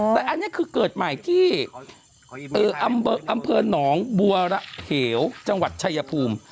แต่อันนี้คือเกิดใหม่ที่อำเภอหนองบัวระเหวจังหวัดชายภูมิ